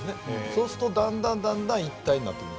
そうするとだんだん、一体になってくる。